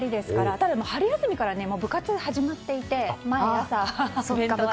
ただ春休みから部活が始まっていて毎朝。